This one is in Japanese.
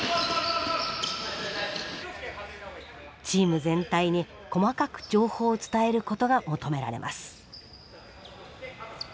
チーム全体に細かく情報を伝えることが求められます。